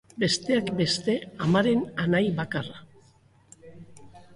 Besteak beste, amaren anai bakarra.